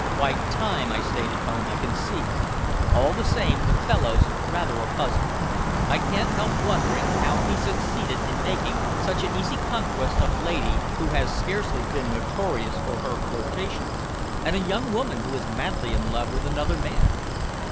"Quite time I stayed at home, I can see. All the same, the fellow's rather a puzzle. I can't help wondering how he succeeded in making such an easy conquest of a lady who has scarcely been notorious for her flirtations, and a young woman who is madly in love with another man.